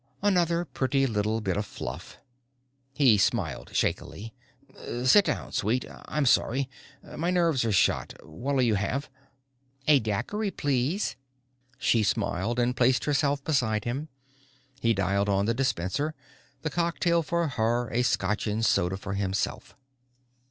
Another pretty little bit of fluff. He smiled shakily. "Sit down, sweet. I'm sorry. My nerves are shot. What'll you have?" "A daiquiri, please." She smiled and placed herself beside him. He dialed on the dispenser the cocktail for her, a scotch and soda for himself.